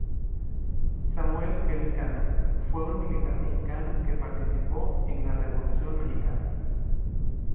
Samuel Kelly Cano fue un militar mexicano que participó en la Revolución mexicana.